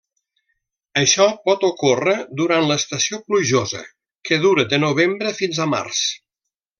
Això pot ocórrer durant l'estació plujosa que dura de novembre fins a març.